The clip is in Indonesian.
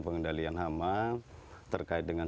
pengendalian hama terkait dengan